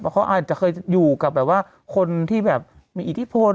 เขาอาจจะเคยอยู่กับแบบว่าคนที่แบบมีอิทธิพล